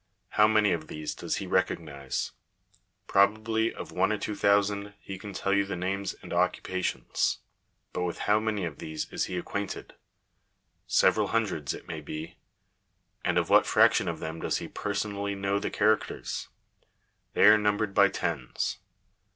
How many of these does he recognise? Probably of one or two thousand he can tell you the names and occupations. But with how many of these is he ac quainted ? Several hundreds, it may be. And of what fraction of them does he personally know the characters? They are numbered by tens.